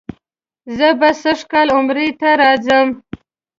زه به سږ کال عمرې ته راځم.